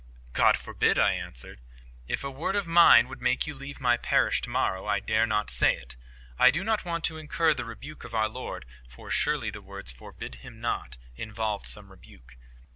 "God forbid!" I answered. "If a word of mine would make you leave my parish to morrow, I dare not say it. I do not want to incur the rebuke of our Lord—for surely the words 'Forbid him not' involved some rebuke.